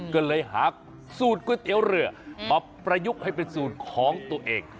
ก็เลยหาสูตรก๋วยเตี๋ยวเรือมาประยุกต์ให้เป็นสูตรของตัวเอง